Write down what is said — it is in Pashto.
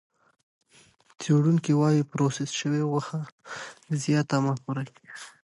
څېړونکي وايي پروسس شوې غوښه زیاته مه خورئ.